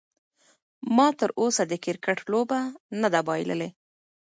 ما تر اوسه د کرکټ لوبه نه ده بایللې.